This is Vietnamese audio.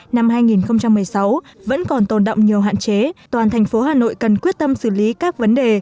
năm hai nghìn một mươi sáu vẫn còn tồn động nhiều hạn chế toàn thành phố hà nội cần quyết tâm xử lý các vấn đề